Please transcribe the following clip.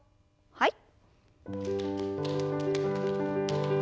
はい。